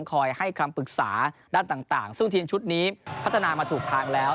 คอยให้คำปรึกษาด้านต่างซึ่งทีมชุดนี้พัฒนามาถูกทางแล้ว